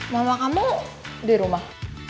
mama kamu di rumah